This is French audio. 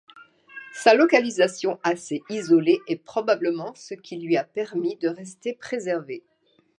Sa localisation assez isolée est probablement ce qui lui a permis de rester préservé.